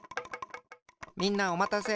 みんなおまたせ。